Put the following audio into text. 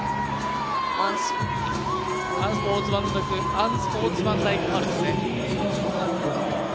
アンスポーツマンライクファウルですね。